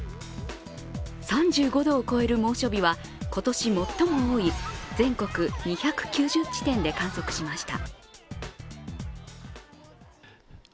３５度を超える猛暑日は今年最も多い、全国２９０地点で観測しました。